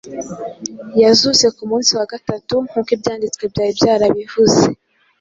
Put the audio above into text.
yazutse ku munsi wa gatatu nk’uko ibyanditswe byari byarabivuze.